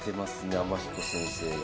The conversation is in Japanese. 天彦先生が。